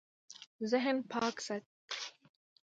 ذهن پاک ساتئ